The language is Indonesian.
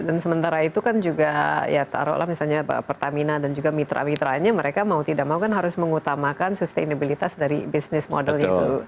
dan sementara itu kan juga ya taruhlah misalnya pertamina dan juga mitra mitranya mereka mau tidak mau kan harus mengutamakan sustainability dari business model itu